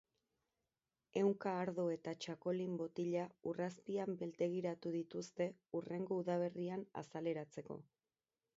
Ehunka ardo eta txakokin botila ur azpian biltegiratu dituzte, hurrengo udaberrian azaleratzeko.